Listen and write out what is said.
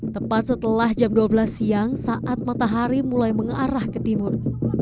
tepat setelah jam dua belas siang saat matahari mulai mengarah ke timur